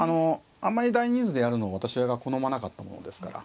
あんまり大人数でやるのは私が好まなかったものですから。